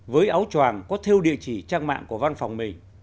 với áo tròng có theo địa chỉ trang mạng của văn phòng mình